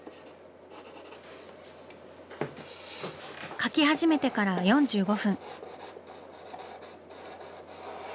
描き始めてから４５分。